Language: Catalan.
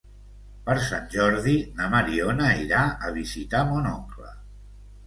Per Sant Jordi na Mariona irà a visitar mon oncle.